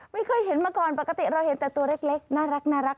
ไม่เคยเห็นมาก่อนปกติเราเห็นแต่ตัวเล็กน่ารัก